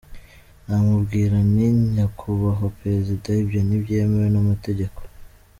Namubwira nti nyakubahwa Perezida ibyo ntibyemewe n’amategeko.